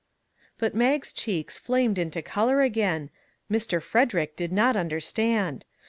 But Mag's cheeks flamed into color again, Mr. Frederick did not understand.